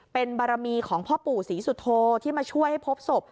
เป็นบารมีของพ่อปู่ศรีสุโธที่มาช่วยให้พบศพ